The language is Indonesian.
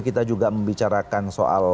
kita juga membicarakan soal